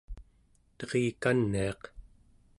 terikaniaq